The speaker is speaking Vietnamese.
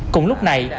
cùng lúc này